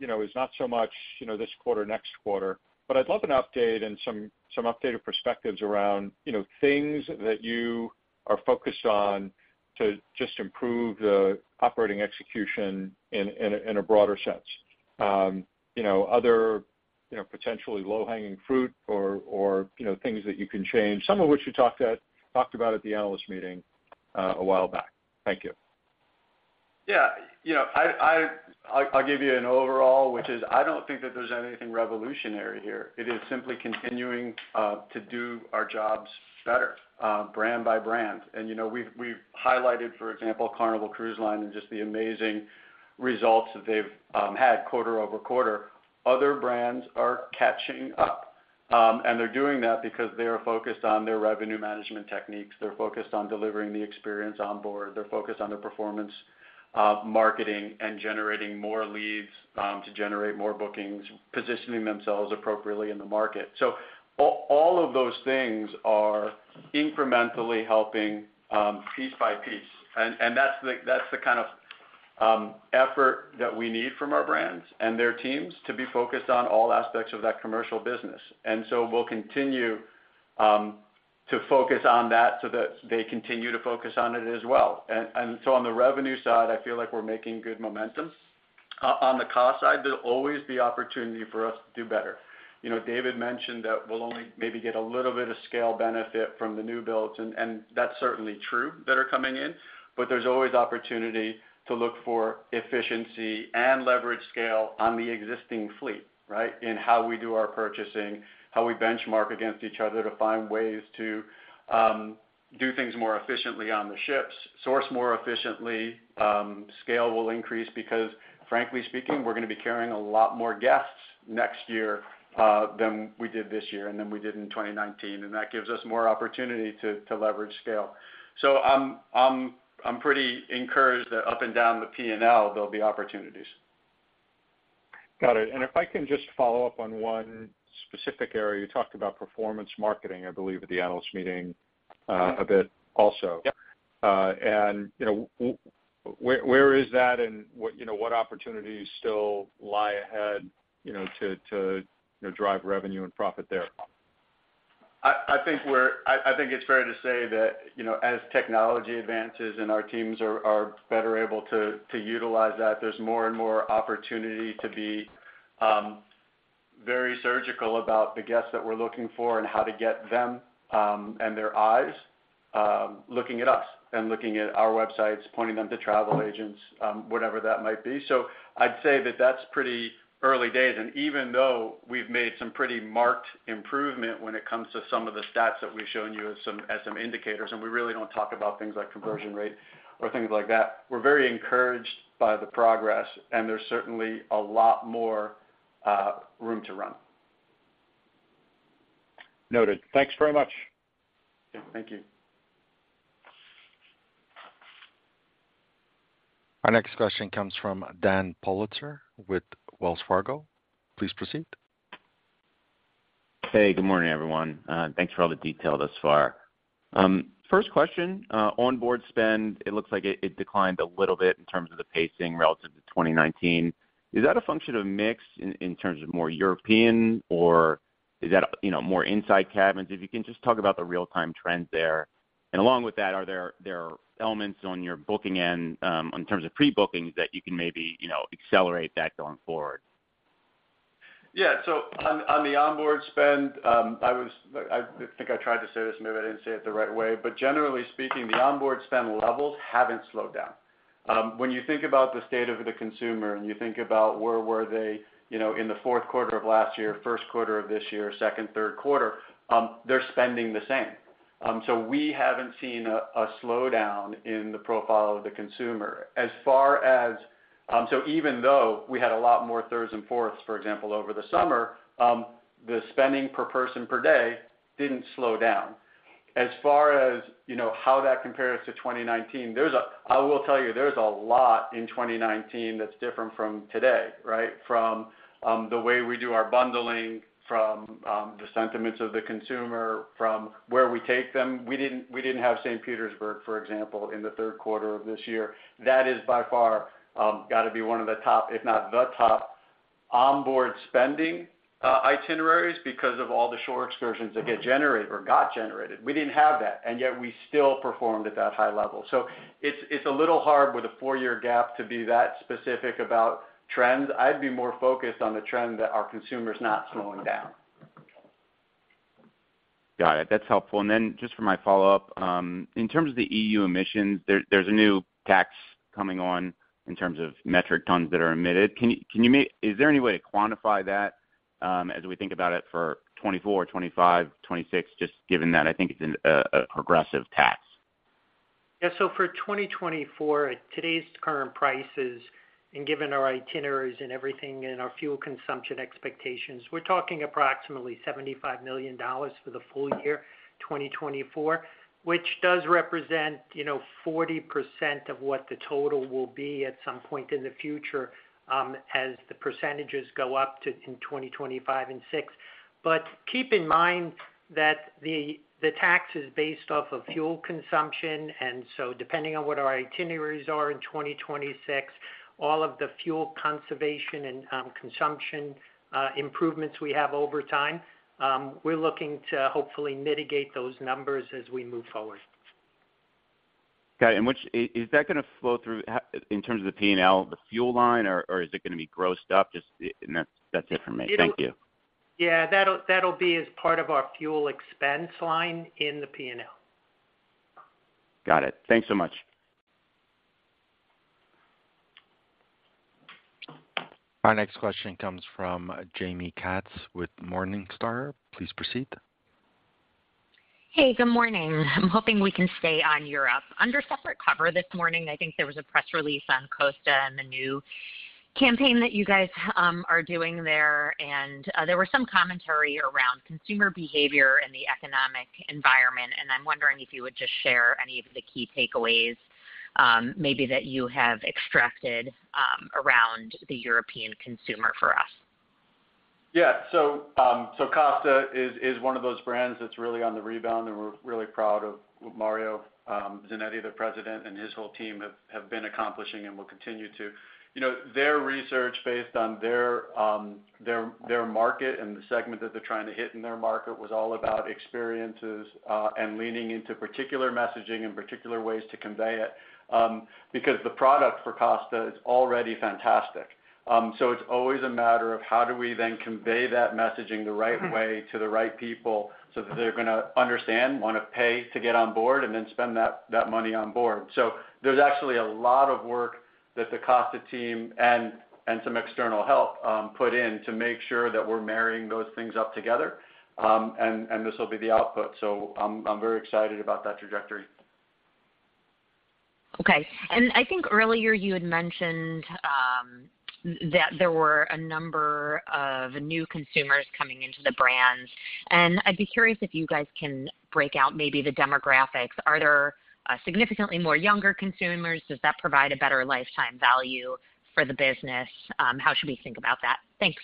you know, is not so much, you know, this quarter, next quarter, but I'd love an update and some, some updated perspectives around, you know, things that you are focused on to just improve the operating execution in a broader sense. You know, other, you know, potentially low-hanging fruit or, or, you know, things that you can change, some of which you talked about at the analyst meeting, a while back. Thank you. Yeah. You know, I’ll give you an overall, which is I don’t think that there’s anything revolutionary here. It is simply continuing to do our jobs better, brand by brand. And, you know, we’ve highlighted, for example, Carnival Cruise Line and just the amazing results that they’ve had quarter-over-quarter. Other brands are catching up, and they’re doing that because they are focused on their revenue management techniques. They’re focused on delivering the experience on board. They’re focused on their performance marketing and generating more leads to generate more bookings, positioning themselves appropriately in the market. So all of those things are incrementally helping, piece by piece. And that’s the kind of effort that we need from our brands and their teams to be focused on all aspects of that commercial business. And so we'll continue to focus on that so that they continue to focus on it as well. And, and so on the revenue side, I feel like we're making good momentum. On the cost side, there'll always be opportunity for us to do better. You know, David mentioned that we'll only maybe get a little bit of scale benefit from the new builds, and, and that's certainly true, that are coming in, but there's always opportunity to look for efficiency and leverage scale on the existing fleet, right? In how we do our purchasing, how we benchmark against each other to find ways to do things more efficiently on the ships, source more efficiently. Scale will increase because frankly speaking, we're going to be carrying a lot more guests next year than we did this year and than we did in 2019, and that gives us more opportunity to leverage scale. So I'm pretty encouraged that up and down the P&L, there'll be opportunities. Got it. And if I can just follow up on one specific area. You talked about performance marketing, I believe, at the analyst meeting, a bit also. Yep. You know, where is that and what opportunities still lie ahead, you know, to you know, drive revenue and profit there? I think it's fair to say that, you know, as technology advances and our teams are better able to utilize that, there's more and more opportunity to be very surgical about the guests that we're looking for and how to get them and their eyes looking at us and looking at our websites, pointing them to travel agents, whatever that might be. So I'd say that that's pretty early days. And even though we've made some pretty marked improvement when it comes to some of the stats that we've shown you as some indicators, and we really don't talk about things like conversion rate or things like that, we're very encouraged by the progress, and there's certainly a lot more room to run. Noted. Thanks very much. Yeah, thank you. Our next question comes from Dan Politzer with Wells Fargo. Please proceed. Hey, good morning, everyone. Thanks for all the detail thus far. First question, onboard spend, it looks like it, it declined a little bit in terms of the pacing relative to 2019. Is that a function of mix in terms of more European, or is that, you know, more inside cabins? If you can just talk about the real-time trends there. And along with that, are there elements on your booking end, in terms of pre-bookings, that you can maybe, you know, accelerate that going forward? Yeah. So on the onboard spend, I think I tried to say this, maybe I didn't say it the right way, but generally speaking, the onboard spend levels haven't slowed down. When you think about the state of the consumer and you think about where were they, you know, in the fourth quarter of last year, first quarter of this year, second, third quarter, they're spending the same. So we haven't seen a slowdown in the profile of the consumer. As far as so even though we had a lot more thirds and fourths, for example, over the summer, the spending per person per day didn't slow down. As far as, you know, how that compares to 2019, I will tell you, there's a lot in 2019 that's different from today, right? From the way we do our bundling, from the sentiments of the consumer, from where we take them. We didn't, we didn't have St. Petersburg, for example, in the third quarter of this year. That is by far got to be one of the top, if not the top, onboard spending itineraries because of all the shore excursions that get generated or got generated. We didn't have that, and yet we still performed at that high level. So it's a little hard with a four-year gap to be that specific about trends. I'd be more focused on the trend that our consumer is not slowing down. Got it. That's helpful. And then just for my follow-up, in terms of the EU emissions, there, there's a new tax coming on in terms of metric tons that are emitted. Can you make-- Is there any way to quantify that, as we think about it for 2024, 2025, 2026, just given that I think it's a progressive tax? Yeah, so for 2024, at today's current prices, and given our itineraries and everything and our fuel consumption expectations, we're talking approximately $75 million for the full year, 2024, which does represent, you know, 40% of what the total will be at some point in the future, as the percentages go up to, in 2025 and 2026. But keep in mind that the tax is based off of fuel consumption, and so depending on what our itineraries are in 2026, all of the fuel conservation and consumption improvements we have over time, we're looking to hopefully mitigate those numbers as we move forward. Got it. Is that going to flow through, in terms of the P&L, the fuel line, or is it going to be grossed up? Just, and that's it for me. Thank you. Yeah, that'll be as part of our fuel expense line in the P&L. Got it. Thanks so much. Our next question comes from Jaime Katz with Morningstar. Please proceed. Hey, good morning. I'm hoping we can stay on Europe. Under separate cover this morning, I think there was a press release on Costa and the new campaign that you guys are doing there. There were some commentary around consumer behavior and the economic environment, and I'm wondering if you would just share any of the key takeaways, maybe that you have extracted, around the European consumer for us. Yeah. So Costa is one of those brands that's really on the rebound, and we're really proud of Mario Zanetti, the president, and his whole team have been accomplishing and will continue to. You know, their research based on their market and the segment that they're trying to hit in their market was all about experiences and leaning into particular messaging and particular ways to convey it because the product for Costa is already fantastic. So it's always a matter of how do we then convey that messaging the right way to the right people so that they're going to understand, want to pay to get on board, and then spend that money on board. So there's actually a lot of work that the Costa team and some external help put in to make sure that we're marrying those things up together, and this will be the output. So I'm very excited about that trajectory. Okay. And I think earlier you had mentioned that there were a number of new consumers coming into the brands. And I'd be curious if you guys can break out maybe the demographics. Are there significantly more younger consumers? Does that provide a better lifetime value for the business? How should we think about that? Thanks.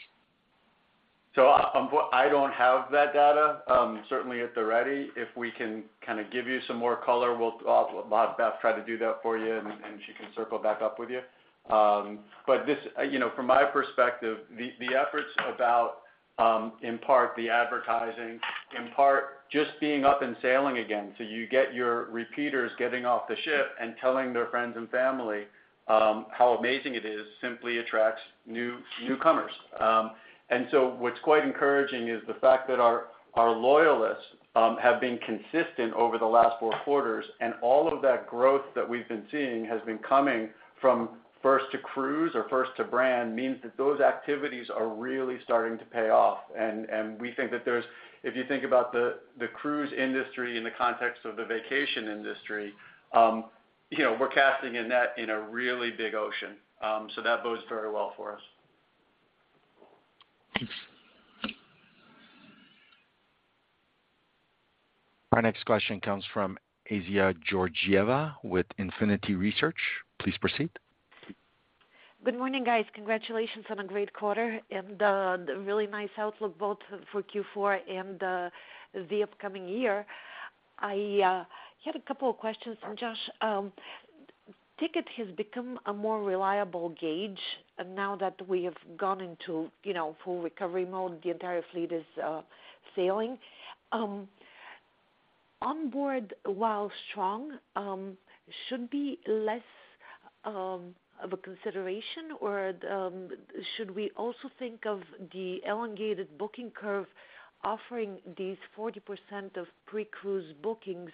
I don't have that data, certainly at the ready. If we can kind of give you some more color, we'll, I'll try to do that for you, and she can circle back up with you. But this, you know, from my perspective, the efforts about, in part, the advertising, in part, just being up and sailing again, so you get your repeaters getting off the ship and telling their friends and family, how amazing it is, simply attracts new newcomers. And so what's quite encouraging is the fact that our loyalists have been consistent over the last four quarters, and all of that growth that we've been seeing has been coming from first to cruise or first to brand, means that those activities are really starting to pay off. And we think that there's—if you think about the cruise industry in the context of the vacation industry, you know, we're casting a net in a really big ocean. So that bodes very well for us. Thanks. Our next question comes from Assia Georgieva with Infinity Research. Please proceed. Good morning, guys. Congratulations on a great quarter and the really nice outlook, both for Q4 and the upcoming year. I had a couple of questions from Josh. Ticket has become a more reliable gauge now that we have gone into, you know, full recovery mode, the entire fleet is sailing. On board, while strong, should be less of a consideration, or should we also think of the elongated booking curve offering these 40% of pre-cruise bookings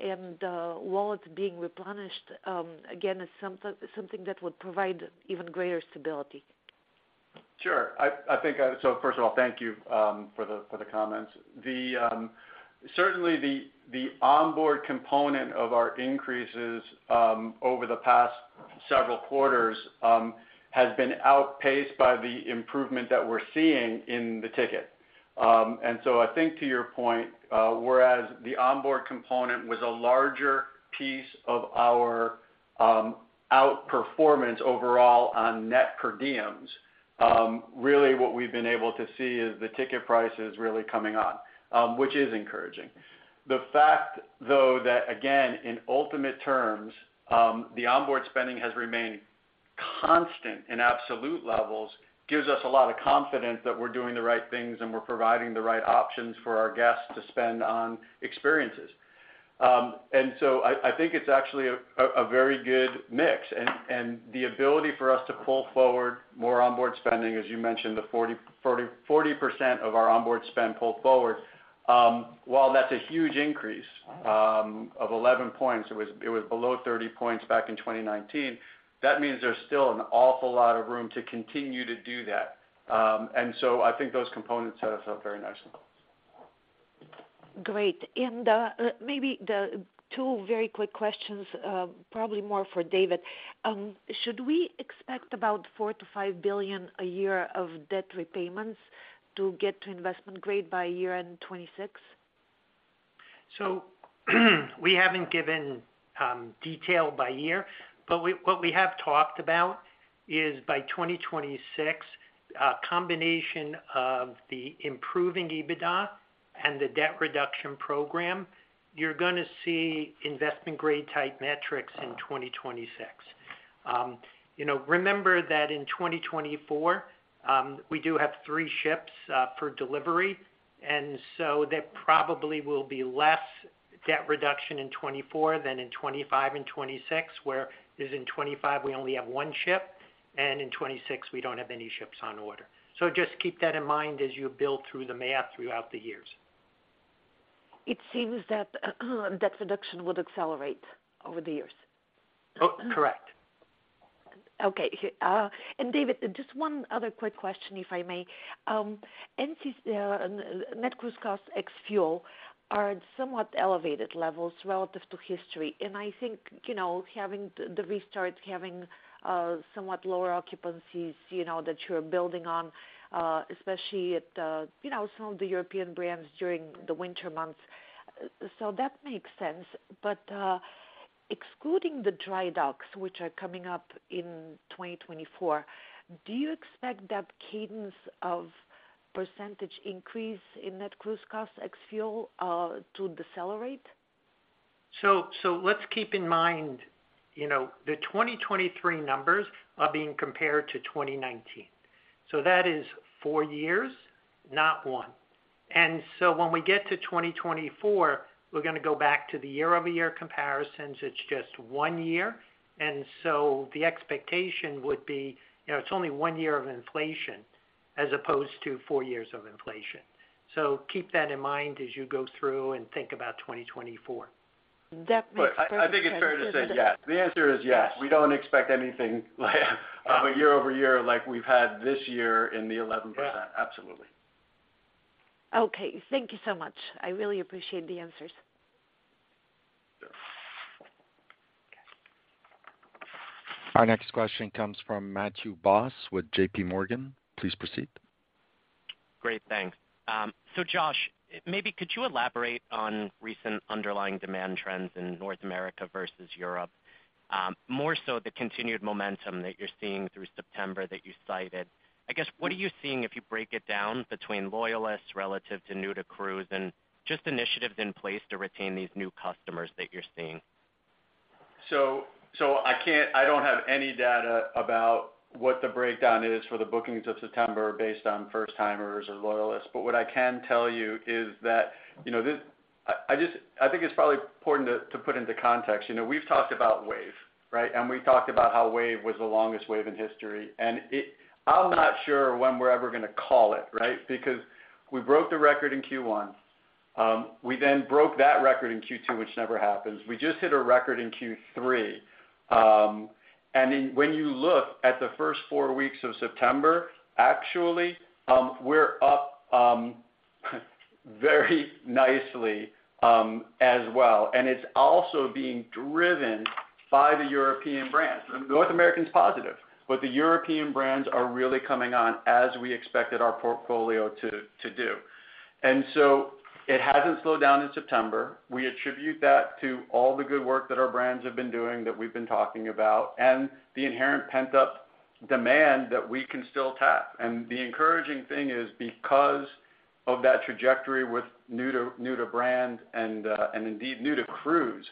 and wallets being replenished again as something, something that would provide even greater stability? Sure. I think. So first of all, thank you for the comments. Certainly the onboard component of our increases over the past several quarters has been outpaced by the improvement that we're seeing in the ticket. And so I think to your point, whereas the onboard component was a larger piece of our outperformance overall on net per diems, really what we've been able to see is the ticket prices really coming on, which is encouraging. The fact, though, that, again, in ultimate terms, the onboard spending has remained constant in absolute levels, gives us a lot of confidence that we're doing the right things and we're providing the right options for our guests to spend on experiences. And so I think it's actually a very good mix. And the ability for us to pull forward more onboard spending, as you mentioned, the 40% of our onboard spend pulled forward, while that's a huge increase of 11 points, it was below 30 points back in 2019. That means there's still an awful lot of room to continue to do that. And so I think those components set us up very nicely. Great. And, maybe the two very quick questions, probably more for David. Should we expect about $4 billion-$5 billion a year of debt repayments to get to Investment Grade by year-end 2026? So we haven't given detail by year, but what we have talked about is by 2026, a combination of the improving EBITDA and the debt reduction program, you're going to see Investment Grade-type metrics in 2026. You know, remember that in 2024, we do have 3 ships for delivery, and so there probably will be less debt reduction in 2024 than in 2025 and 2026, whereas in 2025, we only have 1 ship, and in 2026, we don't have any ships on order. So just keep that in mind as you build through the math throughout the years. It seems that reduction would accelerate over the years. Oh, correct. Okay. And David, just one other quick question, if I may NCC, net cruise costs ex-fuel are at somewhat elevated levels relative to history, and I think, you know, having the, the restart, having, somewhat lower occupancies, you know, that you're building on, especially at, you know, some of the European brands during the winter months. So that makes sense. But, excluding the dry docks, which are coming up in 2024, do you expect that cadence of percentage increase in net cruise costs, ex-fuel, to decelerate? So let's keep in mind, you know, the 2023 numbers are being compared to 2019. So that is 4 years, not one. And so when we get to 2024, we're going to go back to the year-over-year comparisons. It's just one year, and so the expectation would be, you know, it's only one year of inflation as opposed to 4 years of inflation. So keep that in mind as you go through and think about 2024. That makes perfect sense- I think it's fair to say yes. The answer is yes. We don't expect anything like a year-over-year like we've had this year in the 11%. Yeah. Absolutely. Okay. Thank you so much. I really appreciate the answers. Our next question comes from Matthew Boss with JPMorgan. Please proceed. Great, thanks. So Josh, maybe could you elaborate on recent underlying demand trends in North America versus Europe? More so the continued momentum that you're seeing through September that you cited. I guess, what are you seeing if you break it down between loyalists relative to new-to-cruise, and just initiatives in place to retain these new customers that you're seeing? So, I can't. I don't have any data about what the breakdown is for the bookings of September based on first-timers or loyalists, but what I can tell you is that, you know, this. I just think it's probably important to put into context. You know, we've talked about wave, right? And we talked about how wave was the longest wave in history. And I'm not sure when we're ever gonna call it, right? Because we broke the record in Q1. We then broke that record in Q2, which never happens. We just hit a record in Q3. And then when you look at the first four weeks of September, actually, we're up very nicely as well. And it's also being driven by the European brands. North America's positive, but the European brands are really coming on, as we expected our portfolio to do. And so it hasn't slowed down in September. We attribute that to all the good work that our brands have been doing, that we've been talking about, and the inherent pent-up demand that we can still tap. And the encouraging thing is, because of that trajectory with new to new-to-brand and indeed new to cruise,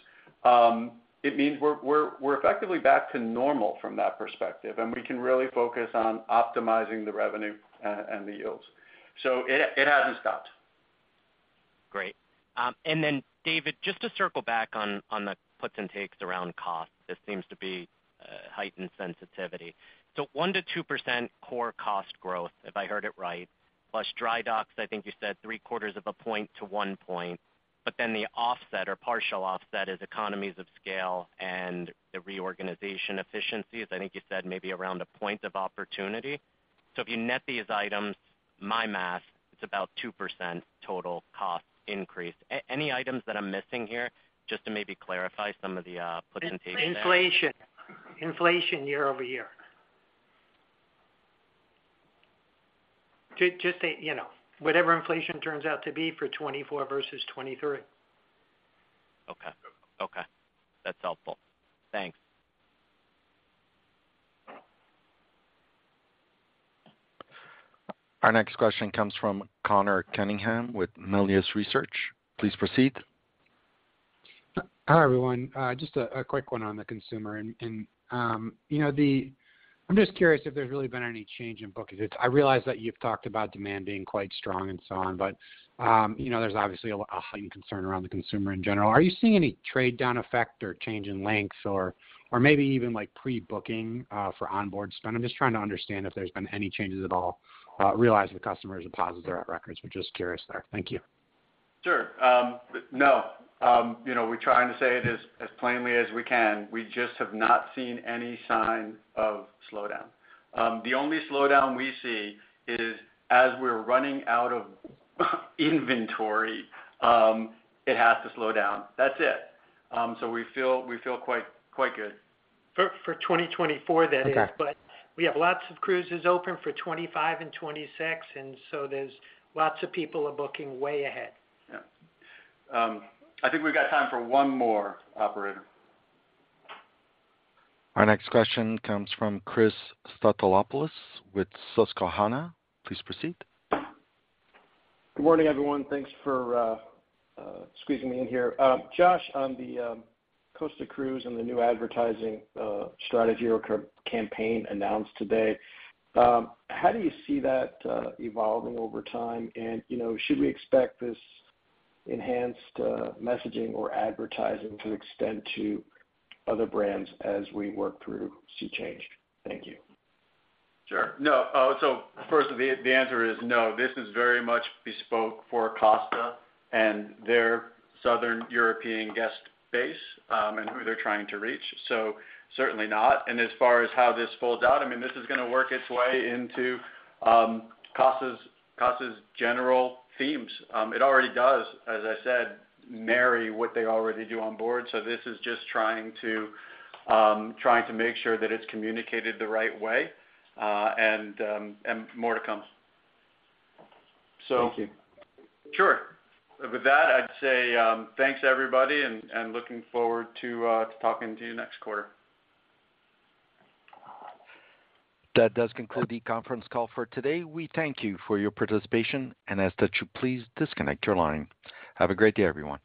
it means we're effectively back to normal from that perspective, and we can really focus on optimizing the revenue and the yields. So it hasn't stopped. Great. And then, David, just to circle back on the puts and takes around cost, this seems to be heightened sensitivity. So 1%-2% core cost growth, if I heard it right, plus dry docks, I think you said 0.75-1 point, but then the offset or partial offset is economies of scale and the reorganization efficiencies. I think you said maybe around 1 point of opportunity. So if you net these items, my math, it's about 2% total cost increase. Any items that I'm missing here, just to maybe clarify some of the puts and takes there? Inflation, inflation year-over-year. Just that, you know, whatever inflation turns out to be for 2024 versus 2023. Okay. Okay, that's helpful. Thanks. Our next question comes from Conor Cunningham with Melius Research. Please proceed. Hi, everyone. Just a quick one on the consumer. You know, I'm just curious if there's really been any change in bookings. I realize that you've talked about demand being quite strong and so on, but you know, there's obviously a heightened concern around the consumer in general. Are you seeing any trade-down effect or change in lengths or maybe even, like, pre-booking for onboard spend? I'm just trying to understand if there's been any changes at all. Realize the Customer Deposits are at records, we're just curious there. Thank you. Sure. No. You know, we're trying to say it as, as plainly as we can. We just have not seen any sign of slowdown. The only slowdown we see is as we're running out of inventory, it has to slow down. That's it. So we feel, we feel quite, quite good. For 2024, that is. Okay. We have lots of cruises open for 2025 and 2026, and so there's lots of people are booking way ahead. Yeah. I think we've got time for one more, operator. Our next question comes from Chris Stathoulopoulos with Susquehanna. Please proceed. Good morning, everyone. Thanks for squeezing me in here. Josh, on the Costa Cruises and the new advertising strategy or campaign announced today, how do you see that evolving over time? And, you know, should we expect this enhanced messaging or advertising to extend to other brands as we work through SEA Change? Thank you. Sure. No, so first, the answer is no. This is very much bespoke for Costa and their Southern European guest base, and who they're trying to reach, so certainly not. As far as how this folds out, I mean, this is gonna work its way into Costa's general themes. It already does, as I said, marry what they already do on board, so this is just trying to make sure that it's communicated the right way, and more to come. So- Thank you. Sure. With that, I'd say, thanks, everybody, and looking forward to talking to you next quarter. That does conclude the conference call for today. We thank you for your participation and ask that you please disconnect your line. Have a great day, everyone.